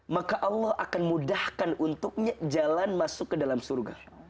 maka allah akan mudahkan untuknya jalan masuk ke dalam surga